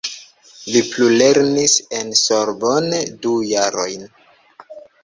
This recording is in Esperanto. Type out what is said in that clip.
Li plulernis en Sorbonne du jarojn.